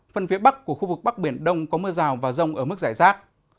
phần phía bắc của khu vực bắc biển đông có mưa rào và rông ở mức giải rác